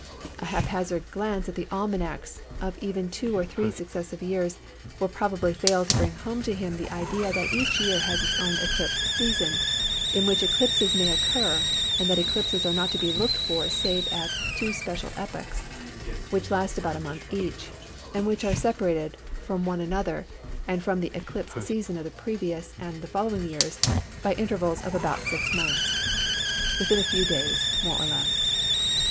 A haphazard glance at the almanacs of even two or three successive years will probably fail to bring home to him the idea that each year has its own eclipse season in which eclipses may occur, and that eclipses are not to be looked for save at two special epochs, which last about a month each, and which are separated from one another and from the eclipse seasons of the previous and of the following years by intervals of about six months, within a few days more or less.